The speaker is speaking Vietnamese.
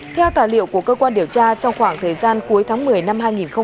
theo tài liệu của cơ quan điều tra trong khoảng thời gian cuối tháng một mươi năm hai nghìn một mươi chín